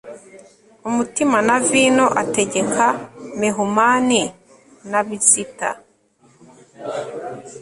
umutima na vino ategeka mehumani na bizita